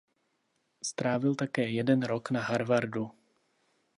Strávil také jeden rok na Harvardu.